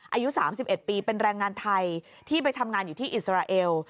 อายุ๓๑ปีเป็นแรงงานไทยที่ไปทำงานอยู่ที่อิสราเอล